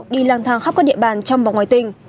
đi lang thang khắp các địa bàn trong và ngoài tỉnh